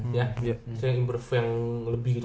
mungkin improve yang lebih gitu